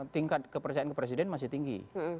tingkat kepercayaan ke presiden masih tinggi